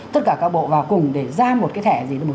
tất cả các bộ vào cùng để ra một cái thẻ